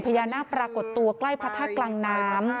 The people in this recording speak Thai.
ปรากฏตัวใกล้พระธาตุกลางน้ำ